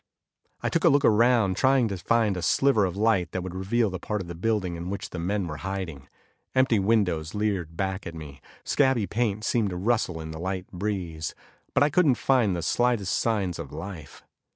I took a look around, trying to find a sliver of light that would reveal the part of the building in which the men were hiding. Empty windows leered back at me, scabby paint seemed to rustle in the light breeze, but I couldn't find the slightest signs of life.